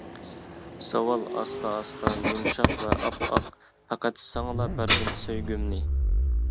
زاۋال ئاستا-ئاستا يۇمشاق ۋە ئاپئاق، پەقەت ساڭىلا بەردىم سۆيگۈمنى.